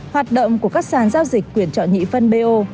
hoạt động của các sàn giao dịch quyền chọn nhị phân bo